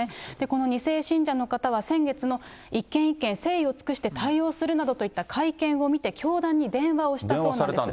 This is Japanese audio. この２世信者の方は、先月の一件一件誠意を尽くして対応するなどといった会見を見て、教団に電話をしたそうなんです。